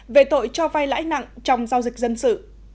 về tội cho vai lãi nặng trong giao dịch dân sự